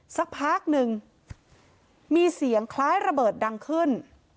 สักพักหนึ่งมีเสียงคล้ายระเบิดดังขึ้น